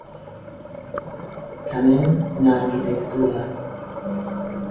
Tamén na arquitectura.